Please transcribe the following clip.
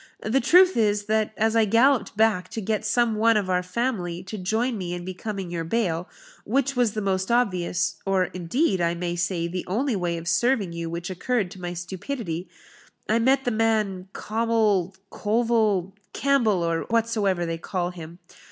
The truth is, that as I galloped back to get some one of our family to join me in becoming your bail, which was the most obvious, or, indeed, I may say, the only way of serving you which occurred to my stupidity, I met the man Cawmil Colville Campbell, or whatsoever they call him.